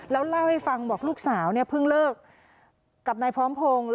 แล้วเล่าให้ฟังบอกลูกสาวเนี่ยเพิ่งเลิกกับนายพร้อมพงศ์